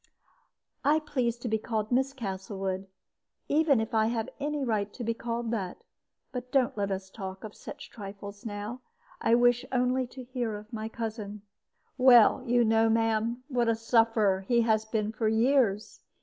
"I please to be called 'Miss Castlewood,' even if I have any right to be called that. But don't let us talk of such trifles now. I wish to hear only of my cousin." "Well, you know, ma'am, what a sufferer he has been for years.